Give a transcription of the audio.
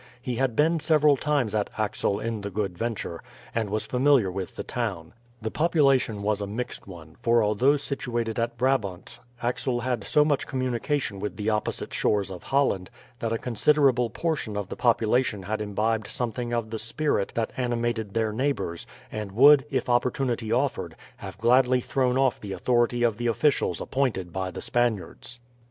He had been several times at Axel in the Good Venture, and was familiar with the town. The population was a mixed one, for although situated in Brabant, Axel had so much communication with the opposite shores of Holland that a considerable portion of the population had imbibed something of the spirit that animated their neighbours, and would, if opportunity offered, have gladly thrown off the authority of the officials appointed by the Spaniards.